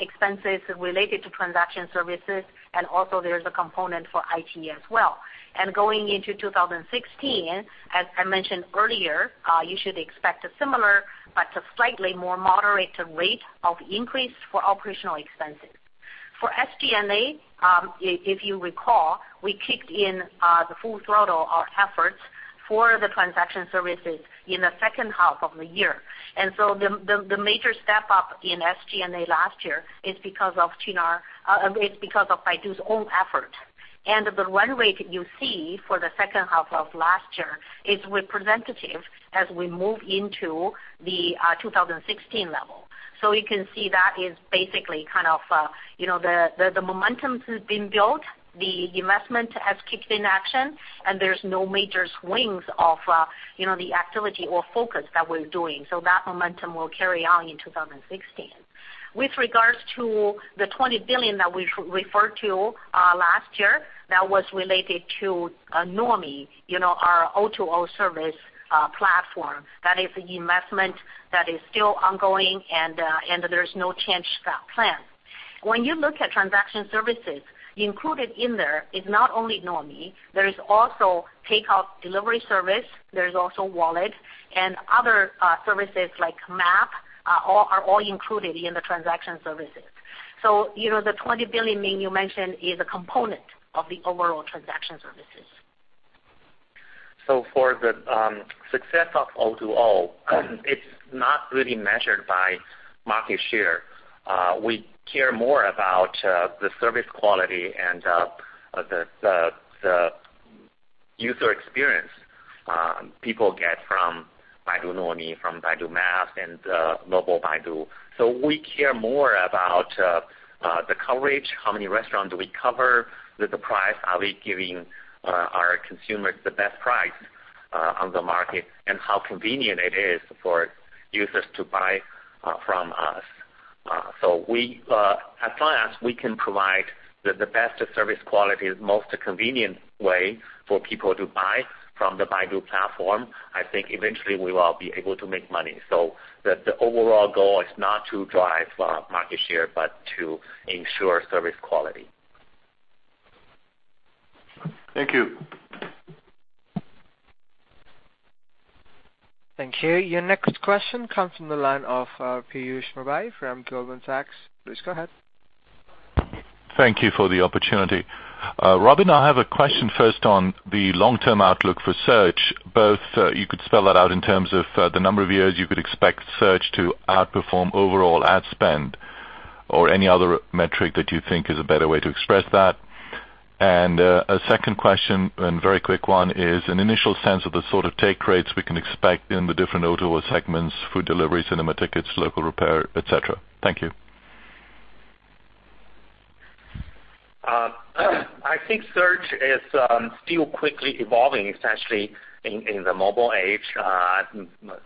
expenses related to transaction services, and also there's a component for IT as well. Going into 2016, as I mentioned earlier, you should expect a similar but a slightly more moderate rate of increase for operational expenses. For SG&A, if you recall, we kicked in the full throttle our efforts for the transaction services in the second half of the year. The major step up in SG&A last year is because of Baidu's own effort. The run rate you see for the second half of last year is representative as we move into the 2016 level. You can see that is basically the momentum has been built, the investment has kicked in action, and there's no major swings of the activity or focus that we're doing. That momentum will carry on in 2016. With regards to the 20 billion that we referred to last year, that was related to Nuomi, our O2O service platform. That is the investment that is still ongoing, and there is no change to that plan. When you look at transaction services, included in there is not only Nuomi, there is also takeout delivery service, there's also wallet, and other services like Map are all included in the transaction services. The 20 billion Ming you mentioned is a component of the overall transaction services. For the success of O2O, it's not really measured by market share. We care more about the service quality and the user experience people get from Baidu Nuomi, from Baidu Maps, and Mobile Baidu. We care more about the coverage, how many restaurants we cover, the price, are we giving our consumers the best price on the market, and how convenient it is for users to buy from us. As long as we can provide the best service quality, most convenient way for people to buy from the Baidu platform, I think eventually we will be able to make money. The overall goal is not to drive market share, but to ensure service quality. Thank you. Thank you. Your next question comes from the line of Piyush Mubayi from Goldman Sachs. Please go ahead. Thank you for the opportunity. Robin, you could spell that out in terms of the number of years you could expect search to outperform overall ad spend or any other metric that you think is a better way to express that. A second question, and very quick one, is an initial sense of the sort of take rates we can expect in the different O2O segments, food delivery, cinema tickets, local repair, et cetera. Thank you. I think search is still quickly evolving, especially in the mobile age. I've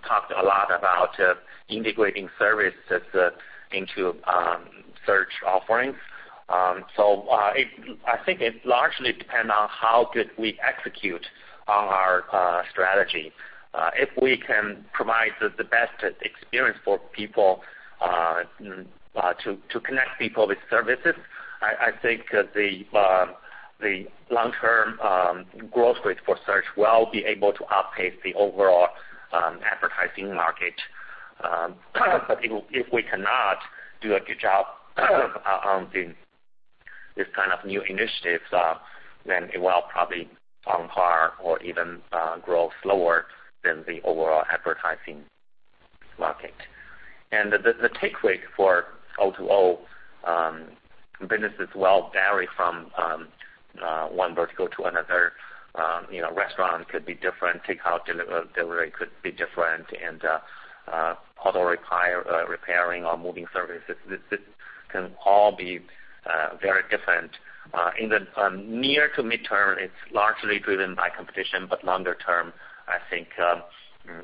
talked a lot about integrating services into search offerings. I think it largely depends on how good we execute on our strategy. If we can provide the best experience for people to connect people with services, I think the long-term growth rate for search will be able to outpace the overall advertising market. If we cannot do a good job on these kind of new initiatives, then it will probably on par or even grow slower than the overall advertising market. The take rate for O2O businesses will vary from one vertical to another. Restaurant could be different, takeout delivery could be different, and auto repairing or moving services can all be very different. In the near to midterm, it's largely driven by competition, longer term, I think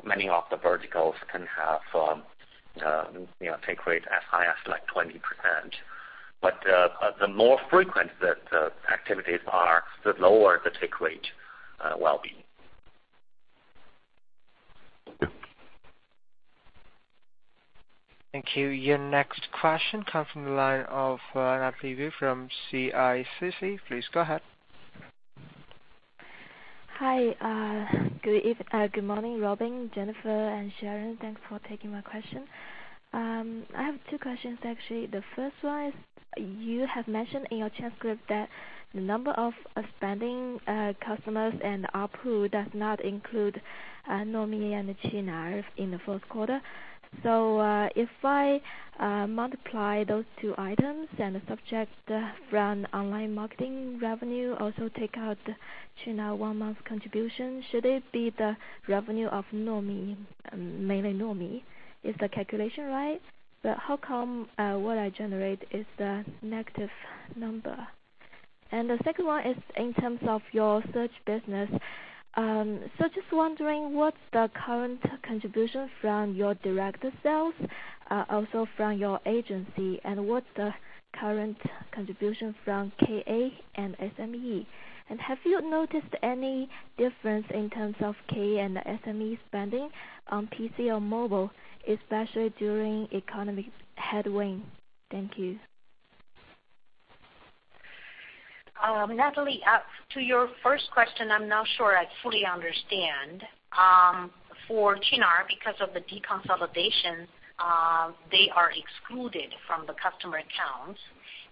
many of the verticals can have take rate as high as 20%. The more frequent the activities are, the lower the take rate will be. Thank you. Your next question comes from the line of Natalie Wu from CICC. Please go ahead. Hi. Good morning, Robin, Jennifer, and Sharon. Thanks for taking my question. I have two questions, actually. The first one is, you have mentioned in your transcript that the number of spending customers and ARPU does not include Nuomi and Qunar in the fourth quarter. If I multiply those two items and subject from online marketing revenue, also take out Qunar one month contribution, should it be the revenue of Nuomi, mainly Nuomi? Is the calculation right? How come what I generate is the negative number? The second one is in terms of your search business. Just wondering what's the current contribution from your direct sales, also from your agency, and what's the current contribution from KA and SME? Have you noticed any difference in terms of KA and SME spending on PC or mobile, especially during economic headwind? Thank you. Natalie, to your first question, I'm not sure I fully understand. For Qunar, because of the deconsolidation, they are excluded from the customer counts.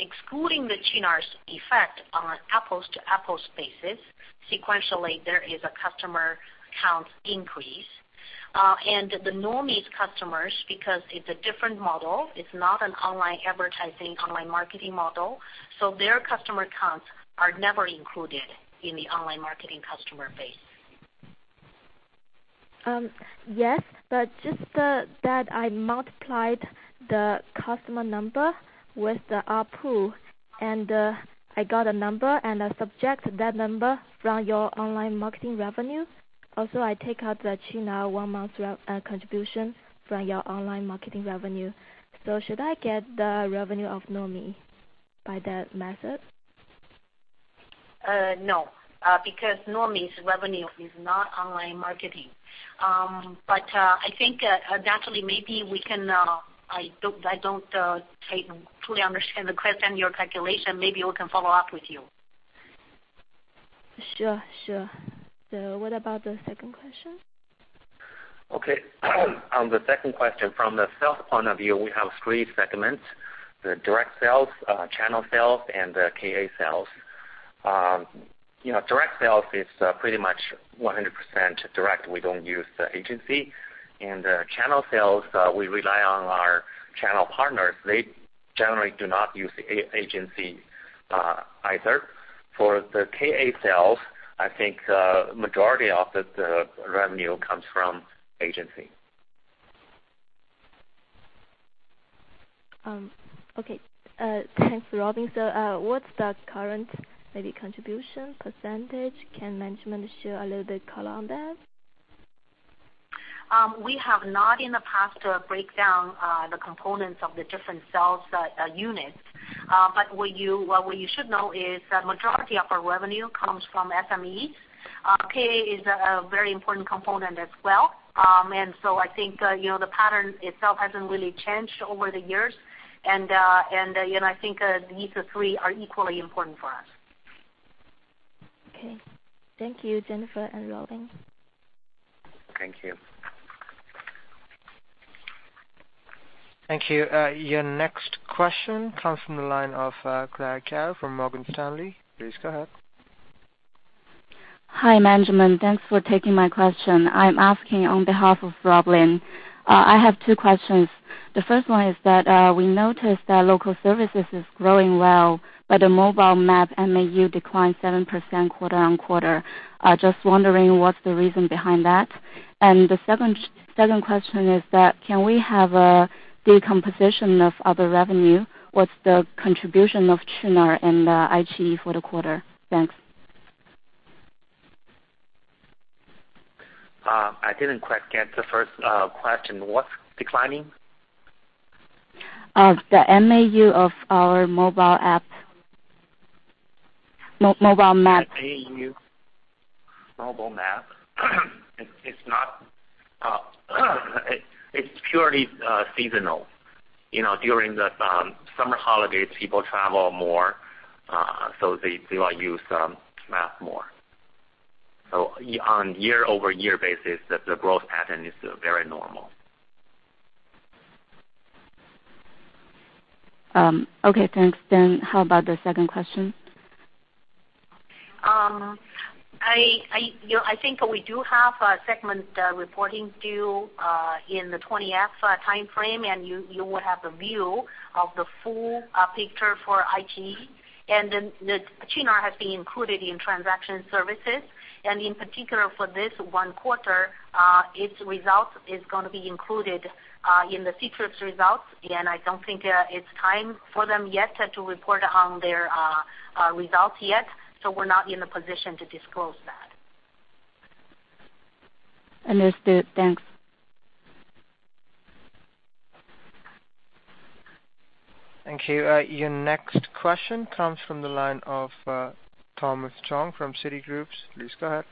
Excluding the Qunar's effect on apples-to-apples basis, sequentially, there is a customer count increase. The Nuomi's customers, because it's a different model, it's not an online advertising, online marketing model, so their customer counts are never included in the online marketing customer base. Yes, just that I multiplied the customer number with the ARPU, and I got a number and I subtract that number from your online marketing revenue. Also, I take out the Qunar one month contribution from your online marketing revenue. Should I get the revenue of Nuomi by that method? No, because Nuomi's revenue is not online marketing. I think, Natalie, I don't truly understand the question, your calculation. Maybe we can follow up with you. Sure. What about the second question? Okay. On the second question, from the sales point of view, we have three segments, the direct sales, channel sales, and the KA sales. Direct sales is pretty much 100% direct. We don't use the agency. Channel sales, we rely on our channel partners. They generally do not use the agency either. For the KA sales, I think majority of the revenue comes from agency. Okay. Thanks, Robin. What's the current, maybe contribution %? Can management share a little bit color on that? We have not, in the past, breakdown the components of the different sales units. What you should know is that majority of our revenue comes from SMEs. KA is a very important component as well. I think the pattern itself hasn't really changed over the years. I think these three are equally important for us. Okay. Thank you, Jennifer and Robin. Thank you. Thank you. Your next question comes from the line of Claire Cao from Morgan Stanley. Please go ahead. Hi, management. Thanks for taking my question. I'm asking on behalf of Robin. I have two questions. The first one is that we noticed that local services is growing well, but the Baidu Maps MAU declined 7% quarter-on-quarter. Just wondering what's the reason behind that. The second question is that, can we have a decomposition of other revenue? What's the contribution of Qunar and iQIYI for the quarter? Thanks. I didn't quite get the first question. What's declining? The MAU of our mobile app. Mobile map. MAU mobile map. It's purely seasonal. During the summer holidays, people travel more, they will use map more. On year-over-year basis, the growth pattern is very normal. Okay, thanks. How about the second question? I think we do have a segment reporting due in the 20F timeframe, you will have a view of the full picture for iQIYI. Qunar has been included in transaction services, and in particular for this one quarter, its result is going to be included in the Ctrip's results. Again, I don't think it's time for them yet to report on their results yet. We're not in a position to disclose that. Understood. Thanks. Thank you. Your next question comes from the line of Thomas Chong from Citigroup. Please go ahead.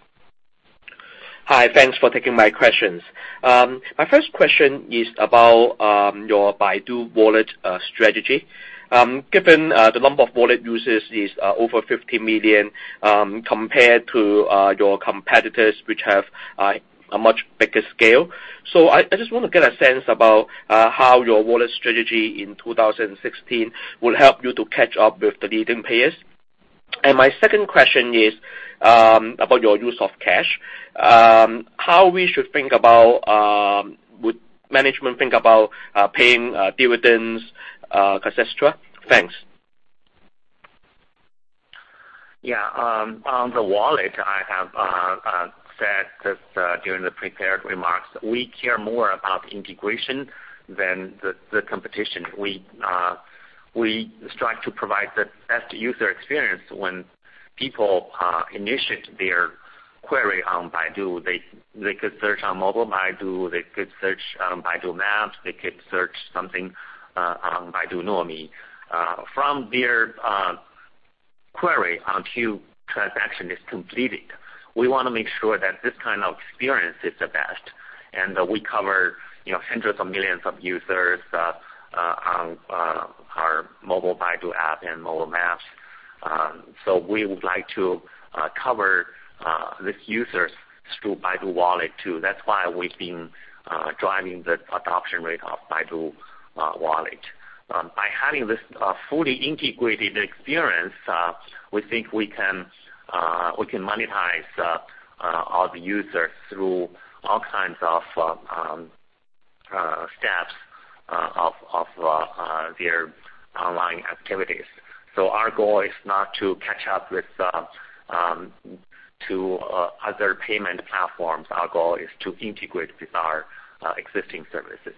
Hi, thanks for taking my questions. My first question is about your Baidu Wallet strategy. Given the number of wallet users is over 50 million, compared to your competitors, which have a much bigger scale. I just want to get a sense about how your Baidu Wallet strategy in 2016 will help you to catch up with the leading players. My second question is about your use of cash. How would management think about paying dividends, et cetera? Thanks. Yeah. On the Baidu Wallet, I have said that during the prepared remarks, we care more about integration than the competition. We strive to provide the best user experience when people initiate their query on Baidu. They could search on Mobile Baidu, they could search on Baidu Maps, they could search something on Baidu Nuomi. From their query until transaction is completed, we want to make sure that this kind of experience is the best, and we cover hundreds of millions of users on our Mobile Baidu app and mobile maps. We would like to cover these users through Baidu Wallet too. That's why we've been driving the adoption rate of Baidu Wallet. By having this fully integrated experience, we think we can monetize all the users through all kinds of steps of their online activities. Our goal is not to catch up with other payment platforms. Our goal is to integrate with our existing services.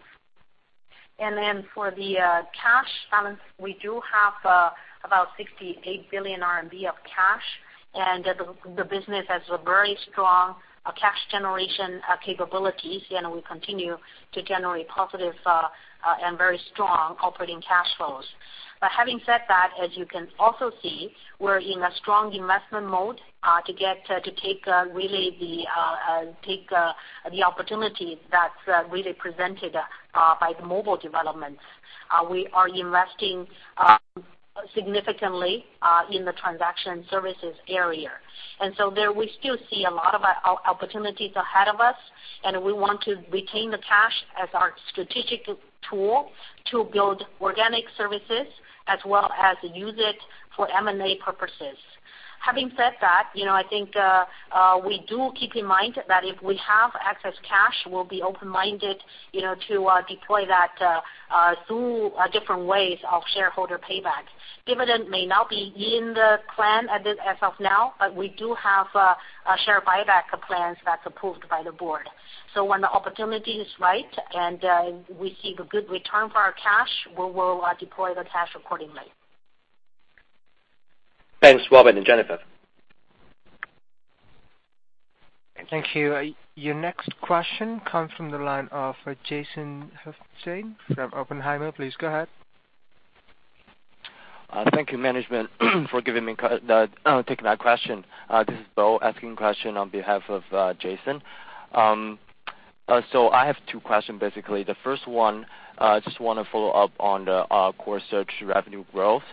For the cash balance, we do have about 68 billion RMB of cash, the business has a very strong cash generation capability, we continue to generate positive and very strong operating cash flows. Having said that, as you can also see, we're in a strong investment mode to take the opportunity that's really presented by the mobile developments. We are investing significantly in the transaction services area. There, we still see a lot of opportunities ahead of us, and we want to retain the cash as our strategic tool to build organic services as well as use it for M&A purposes. Having said that, I think we do keep in mind that if we have excess cash, we'll be open-minded to deploy that through different ways of shareholder payback. Dividend may not be in the plan as of now, we do have share buyback plans that's approved by the board. When the opportunity is right and we see a good return for our cash, we will deploy the cash accordingly. Thanks, Robin and Jennifer. Thank you. Your next question comes from the line of Jason Helfstein from Oppenheimer. Please go ahead. Thank you management for taking my question. This is Bo asking question on behalf of Jason. I have two questions, basically. The first one, just want to follow up on the core search revenue growth.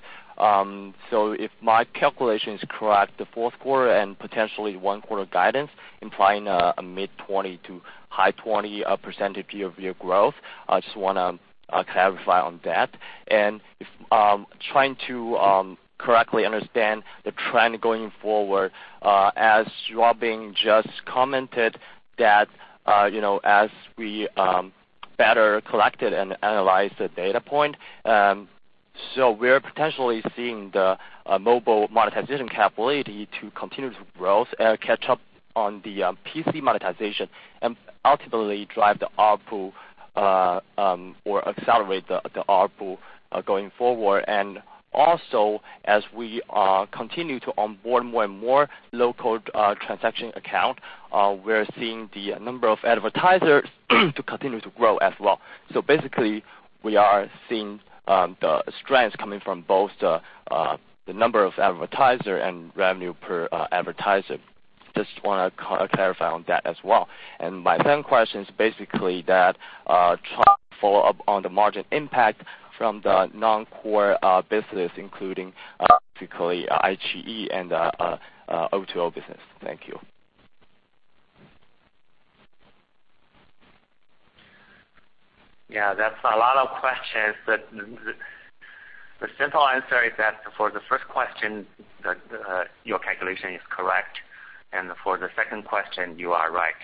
If my calculation is correct, the fourth quarter and potentially one quarter guidance implying a mid-20% to high-20% year-over-year growth. I just want to clarify on that. Trying to correctly understand the trend going forward, as Robin just commented that as we better collected and analyzed the data point. We're potentially seeing the mobile monetization capability to continue to growth, catch up on the PC monetization, and ultimately drive the ARPU or accelerate the ARPU going forward. Also, as we continue to onboard more and more local transaction account, we're seeing the number of advertisers to continue to grow as well. Basically, we are seeing the strengths coming from both the number of advertiser and revenue per advertiser. Just want to clarify on that as well. My second question is basically that trying to follow up on the margin impact from the non-core business, including specifically iQIYI and O2O business. Thank you. Yeah, that's a lot of questions. The simple answer is that for the first question, your calculation is correct. For the second question, you are right.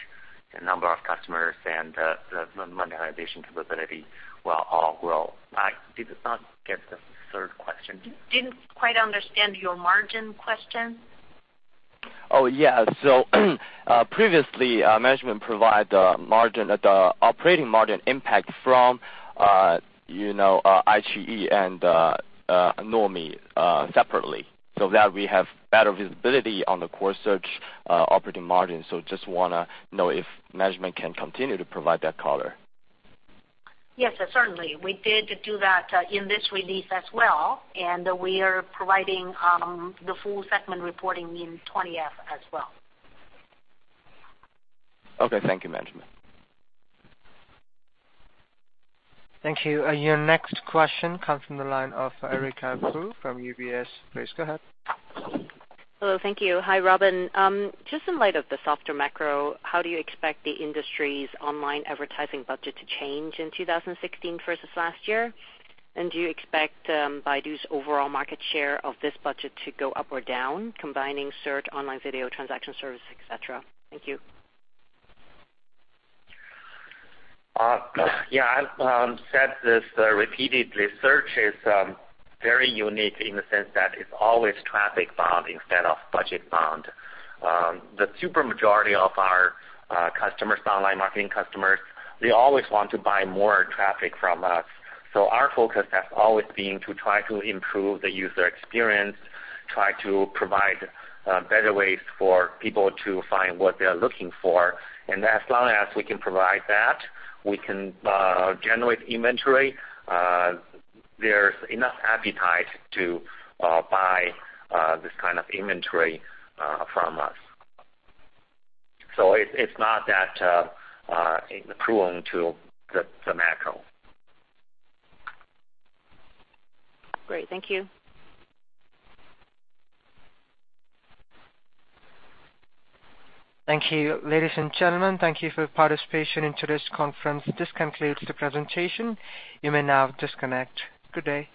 The number of customers and the monetization capability will all grow. I did not get the third question. Didn't quite understand your margin question. Oh, yeah. Previously, management provide the operating margin impact from iQIYI and Nuomi separately, so that we have better visibility on the core search operating margin. Just want to know if management can continue to provide that color. Yes, certainly. We did do that in this release as well, and we are providing the full segment reporting in 20F as well. Okay. Thank you, management. Thank you. Your next question comes from the line of Erika [Prue] from UBS. Please go ahead. Hello. Thank you. Hi, Robin. Just in light of the softer macro, how do you expect the industry's online advertising budget to change in 2016 versus last year? Do you expect Baidu's overall market share of this budget to go up or down, combining search, online video, transaction services, et cetera? Thank you. Yeah, I've said this repeatedly. Search is very unique in the sense that it's always traffic bound instead of budget bound. The super majority of our customers, online marketing customers, they always want to buy more traffic from us. Our focus has always been to try to improve the user experience, try to provide better ways for people to find what they're looking for. As long as we can provide that, we can generate inventory. There's enough appetite to buy this kind of inventory from us. It's not that prone to the macro. Great. Thank you. Thank you. Ladies and gentlemen, thank you for your participation in today's conference. This concludes the presentation. You may now disconnect. Good day